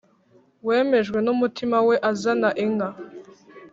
wemejwe n umutima we azana inka